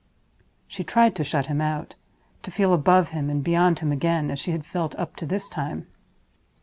She tried to shut him out—to feel above him and beyond him again, as she had felt up to this time.